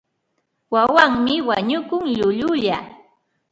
Wawanmi wañukun llullulla.